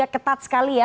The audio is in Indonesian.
ketat sekali ya